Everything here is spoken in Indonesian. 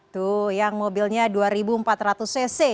tuh yang mobilnya dua empat ratus cc